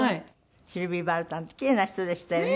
シルヴィ・ヴァルタンってキレイな人でしたよね。